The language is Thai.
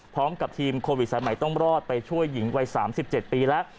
พร้อมกับทีมโควิดสายใหม่ต้องรอดไปช่วยหญิงวัย๓๗ปีแล้ว